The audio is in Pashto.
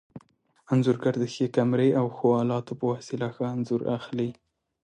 انځورګر د ښې کمرې او ښو الاتو په وسیله ښه انځور اخلي.